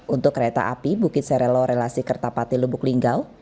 untuk kereta api bukit serelo relasi kertapati lubuk linggau